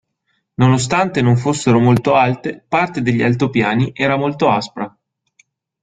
Nonostante non fossero molto alte, parte degli altopiani era molto aspra.